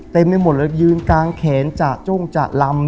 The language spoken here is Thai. เต็มไปหมดแล้วก็ยืนก่างแค้นจากโจ้งจากลำ